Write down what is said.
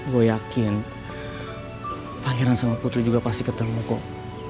gue yakin pangeran sama putri juga pasti ketemu kok